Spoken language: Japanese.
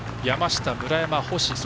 山下、村山、星。